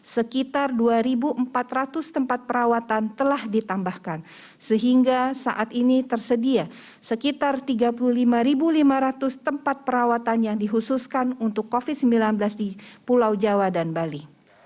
sekitar dua empat ratus tempat perawatan telah ditambahkan sehingga saat ini tersedia sekitar tiga puluh lima lima ratus tempat perawatan yang dihususkan untuk covid sembilan belas di pulau jawa dan bali